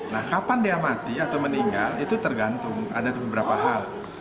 nah kapan dia mati atau meninggal itu tergantung ada beberapa hal